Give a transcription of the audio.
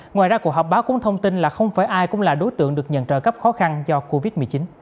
ngoài ra cuộc họp báo cũng thông tin là không phải ai cũng là đối tượng được nhận trợ cấp khó khăn do covid một mươi chín